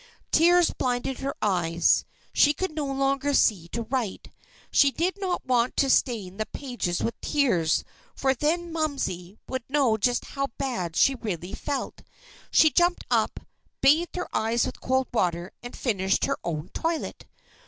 Tears blinded her eyes. She could no longer see to write. She did not want to stain the pages with tears, for then "Momsey" would know just how bad she really felt. She jumped up, bathed her eyes with cold water, and finished her own toilet.